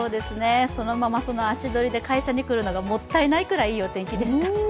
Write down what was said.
そのままその足取りで会社に来るのがもったいないぐらいいいお天気でした。